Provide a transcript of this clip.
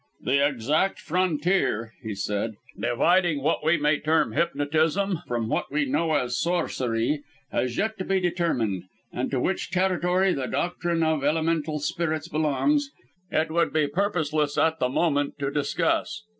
"The exact frontier," he said, "dividing what we may term hypnotism from what we know as sorcery, has yet to be determined; and to which territory the doctrine of Elemental Spirits belongs, it would be purposeless at the moment to discuss.